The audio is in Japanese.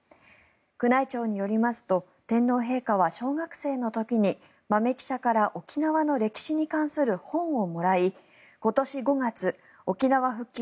宮内庁によりますと天皇陛下は小学生の時に豆記者から沖縄の歴史に関する本をもらい今年５月沖縄復帰